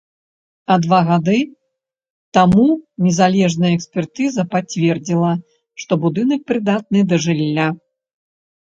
А два гады таму незалежная экспертыза пацвердзіла, што будынак прыдатны да жылля.